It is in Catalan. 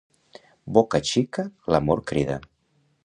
Boca xica l'amor crida.